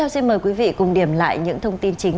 xin mời quý vị cùng điểm lại những thông tin chính